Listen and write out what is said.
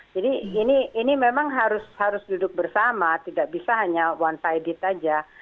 jadi ini memang harus duduk bersama tidak bisa hanya one sided aja